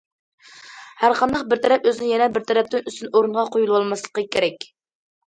ھەر قانداق بىر تەرەپ ئۆزىنى يەنە بىر تەرەپتىن ئۈستۈن ئورۇنغا قويۇۋالماسلىقى كېرەك.